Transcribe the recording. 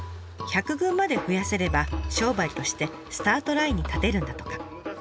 １００群まで増やせれば商売としてスタートラインに立てるんだとか。